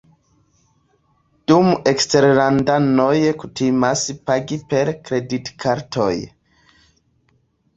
Dume eksterlandanoj kutimas pagi per kreditkartoj.